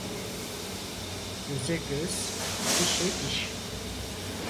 Göze göz, dişe diş.